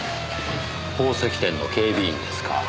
宝石店の警備員ですか。